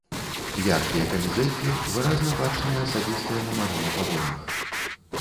Яркія камізэлькі, выразна бачныя асабістыя нумары на пагонах.